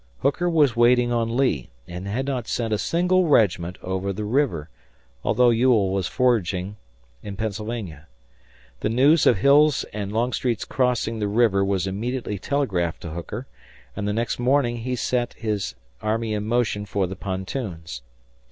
Hooker was waiting on Lee and had not sent a single regiment over the river, although Ewell was foraging in Pennsylvania. The news of Hill's and Longstreet's crossing the river was immediately telegraphed to Hooker, and the next morning he set his army in motion for the pontoons.